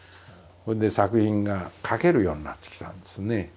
それで作品が書けるようになってきたんですね。